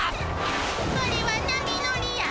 それは波乗りや。